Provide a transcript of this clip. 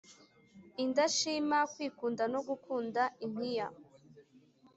Indashima, kwikunda no gukunda impiya